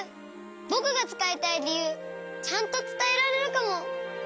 ぼくがつかいたいりゆうちゃんとつたえられるかも。